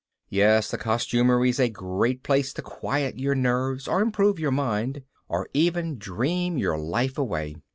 Yes, the costumery's a great place to quiet your nerves or improve your mind or even dream your life away.